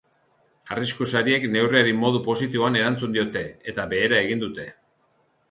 Arrisku sariek neurriari modu positiboan erantzun diote, eta behera egin dute.